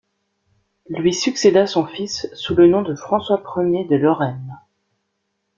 Lui succéda son fils sous le nom de François Ier de Lorraine.